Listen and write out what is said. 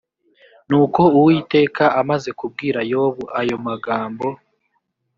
nuko uwiteka amaze kubwira yobu ayo magambo